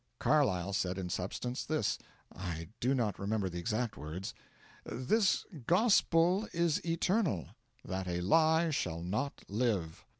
Carlyle said, in substance, this I do not remember the exact words: 'This gospel is eternal that a lie shall not live.'